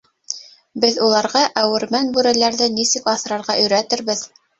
— Беҙ уларға әүермән бүреләрҙе нисек аҫрарға өйрәтербеҙ!